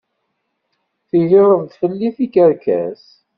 Tegreḍ-d fell-i tikerkas?